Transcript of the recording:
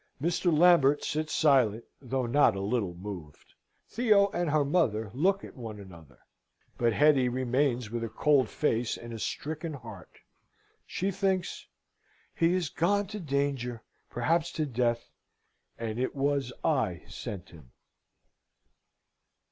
Mr. Lambert sits silent, though not a little moved. Theo and her mother look at one another; but Hetty remains with a cold face and a stricken heart. She thinks, "He is gone to danger, perhaps to death, and it was I sent him!"